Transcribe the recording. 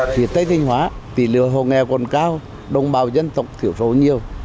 tuyệt tế thanh hóa tỷ lệ hộ nghèo còn cao đồng bào dân tộc thiểu số nhiều